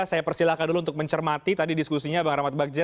saya persilahkan dulu untuk mencermati tadi diskusinya bang rahmat bagja